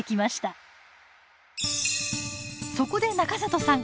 そこで中里さん